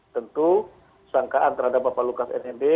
tentu sangkaan terhadap bapak lukas nmb